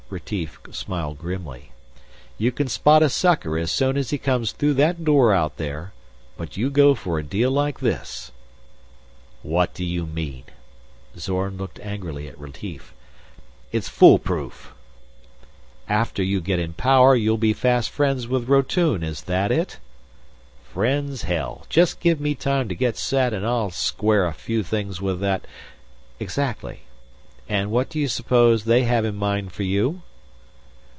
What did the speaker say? Retief smiled grimly. "You can spot a sucker as soon as he comes through that door out there but you go for a deal like this!" "What do you mean?" Zorn looked angrily at Retief. "It's fool proof." "After you get in power, you'll be fast friends with Rotune, is that it?" "Friends, hell! Just give me time to get set, and I'll square a few things with that " "Exactly. And what do you suppose they have in mind for you?"